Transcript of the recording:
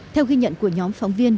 theo ghi nhận của nhóm phóng viên